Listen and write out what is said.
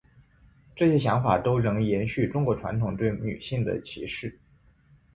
这些想法都仍延续中国传统对女性的歧视。